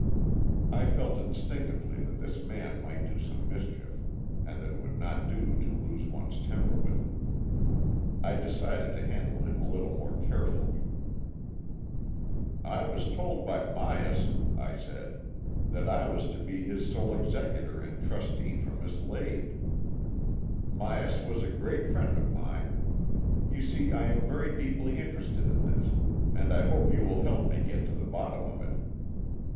I felt instinctively that this man might do some mischief, and that it would not do to lose one's temper with him. I decided to handle him a little more carefully. " I was told by Myas," I said, '' that I was to be his sole executor and trustee for Miss Lade. 96 AN EXCHANGE OF SOULS Myas was a great friend of mine. You see I am very deeply interested in this, and I hope 'you will help me to get to the bottom of it.